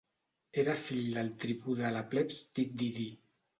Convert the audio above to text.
Era fill del tribú de la plebs Tit Didi.